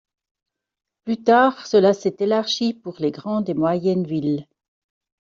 Plus tard, cela s'est élargi pour les grandes et moyennes villes.